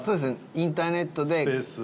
インターネットで。